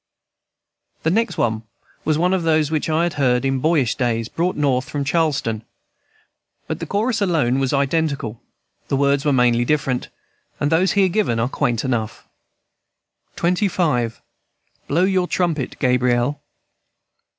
The next was one of those which I had heard in boyish days, brought North from Charleston. But the chorus alone was identical; the words were mainly different, and those here given are quaint enough. XXV. BLOW YOUR TRUMPET, GABRIEL.